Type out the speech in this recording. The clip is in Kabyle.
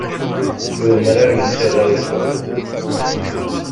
I umrar yettara i feẓ.